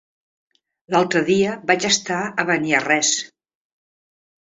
L'altre dia vaig estar a Beniarrés.